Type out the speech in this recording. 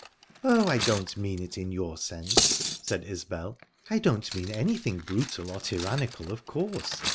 "Oh, I don't mean it in your sense," said Isbel. "I don't mean anything brutal or tyrannical, of course.